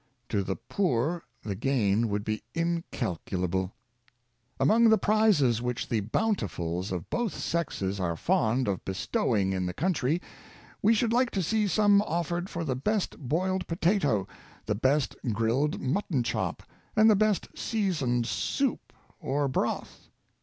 To the poor the gain would be incalculable. " Among the prizes which the Bountifuls of both sexes are fond of bestowing in the country, we should like to see some Morals and Cookery. 55 offered for the best boiled potato, the best grilled mut ton chop, and the best seasoned soup, or broth.